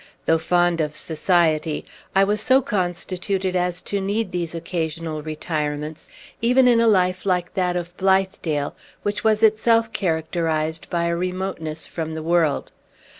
Though fond of society, I was so constituted as to need these occasional retirements, even in a life like that of Blithedale, which was itself characterized by a remoteness from the world.